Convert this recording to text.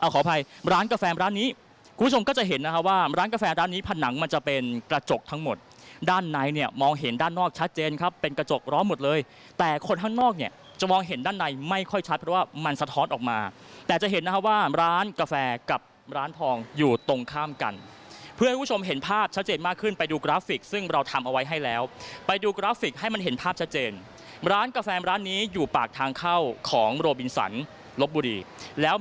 ขออภัยร้านกาแฟร้านนี้คุณผู้ชมก็จะเห็นว่าร้านกาแฟร้านนี้ผ่านหนังมันจะเป็นกระจกทั้งหมดด้านในเนี่ยมองเห็นด้านนอกชัดเจนครับเป็นกระจกร้อนหมดเลยแต่คนทางนอกเนี่ยจะมองเห็นด้านในไม่ค่อยชัดเพราะว่ามันสะท้อนออกมาแต่จะเห็นว่าร้านกาแฟกับร้านทองอยู่ตรงข้ามกันเพื่อนคุณผู้ชมเห็นภาพชัดเจนมากขึ้